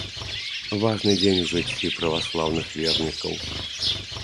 Важны дзень у жыцці праваслаўных вернікаў.